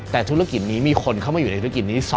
แต่ธุรกิจนี้มีคนเข้ามาอยู่ในธุรกิจนี้